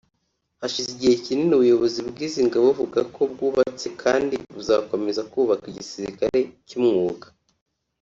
Hashize igihe kinini ubuyobozi bw’izi ngabo buvuga ko bwubatse kandi buzakomeza kubaka igisilikali cy’umwuga